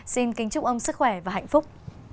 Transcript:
xin kính chúc ông sức khỏe và hạnh phúc